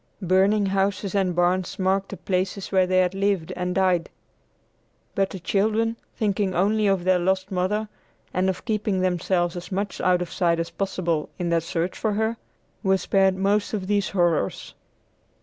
Burning houses and barns marked the places where they had lived and died. But the children, thinking only of their lost mother, and of keeping themselves as much out of sight as possible in their search for her, were spared most of these horrors.